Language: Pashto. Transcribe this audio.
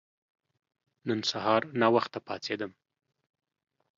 نن سهار ناوخته پاڅیدم.